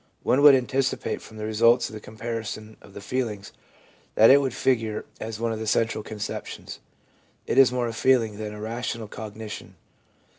One would anticipate, from the results of the comparison of the feelings, that it would figure as one of the central conceptions. It is more a feeling than a rational cog nition.